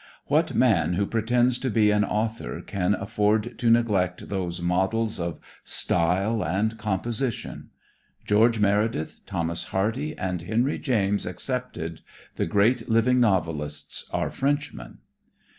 What man who pretends to be an author can afford to neglect those models of style and composition. George Meredith, Thomas Hardy and Henry James excepted, the great living novelists are Frenchmen. Mr.